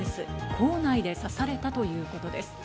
校内で刺されたということです。